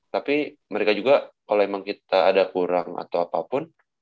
tapi mereka juga kalau memang kita ada kurang atau apapun